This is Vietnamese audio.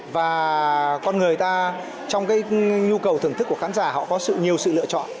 và con người ta trong cái nhu cầu thưởng thức của khán giả họ có sự nhiều sự lựa chọn